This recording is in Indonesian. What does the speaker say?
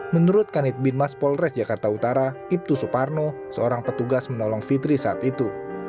menurut kanit bin mas polres jakarta utara ibtu suparno seorang petugas menolong fitri saat itu